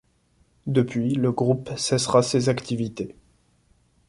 Depuis, le groupe cessera ses activités.